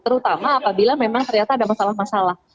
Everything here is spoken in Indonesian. terutama apabila memang ternyata ada masalah masalah